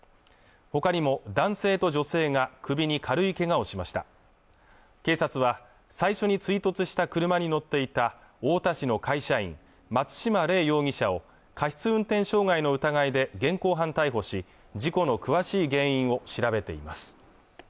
ほかにも男性と女性が首に軽いけがをしました警察は最初に追突した車に乗っていた太田市の会社員・松島嶺容疑者を過失運転傷害の疑いで現行犯逮捕し事故の詳しい原因を調べています